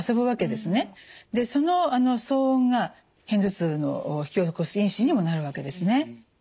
でその騒音が片頭痛を引き起こす因子にもなるわけですね。